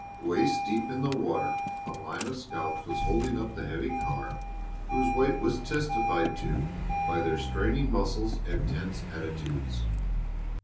Waist deep in the water, a line of scouts was holding up the heavy car, whose weight was testified to by their straining muscles and tense attitudes.